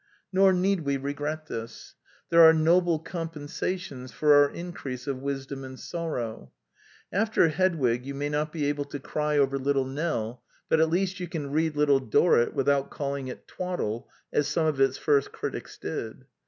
Nor need we regret this: there are noble compensations for our increase of wisdom and sorrow. After Hedwig you may not be able to cry over Little Nell, but at least you can read Little Dorrit without calling it twaddle, as some of its first critics did.